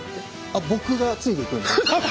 あっ僕がついていくんで。